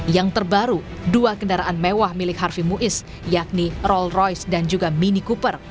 yang terbaru dua kendaraan mewah milik harvey muiz yakni rolls royce dan juga mini cooper